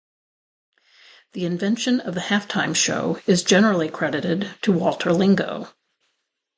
The invention of the halftime show is generally credited to Walter Lingo.